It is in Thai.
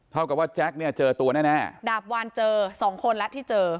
เท่ากับว่าแจ๊คเนี่ยเจอตัวแน่ดาบวานเจอ๒คนละที่เจอ